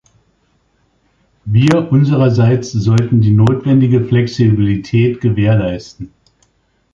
Wir unsererseits sollten die notwendige Flexibilität gewährleisten.